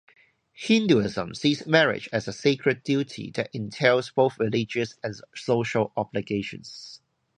Hinduism sees marriage as a sacred duty that entails both religious and social obligations.